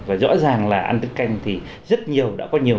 và rõ ràng là ăn tiết canh thì rất nhiều